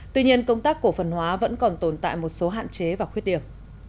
tuy nhiên công tác cổ phần hóa vẫn còn tồn tại một số hạn chế và khuyết điểm